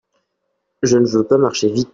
Je ne veux pas marcher vite.